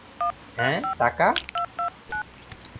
হ্যাঁ, টাকা?